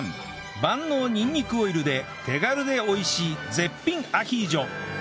万能にんにくオイルで手軽で美味しい絶品アヒージョ